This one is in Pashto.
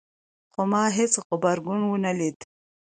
خو ما هیڅ غبرګون ونه لید